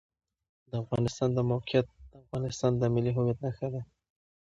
د افغانستان د موقعیت د افغانستان د ملي هویت نښه ده.